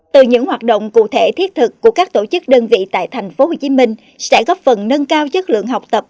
từ những hoạt động cụ thể thiết thực của các tổ chức đơn vị tại tp hcm sẽ góp phần nâng cao chất lượng học tập